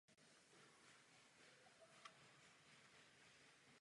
Organizace Mozilla či Mozilla.org jsou dnes často brány jako synonyma pro Mozilla Foundation.